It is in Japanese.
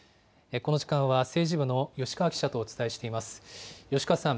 この時間は、政治部の吉川記者とお伝えしています。